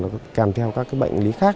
càm theo các bệnh lý khác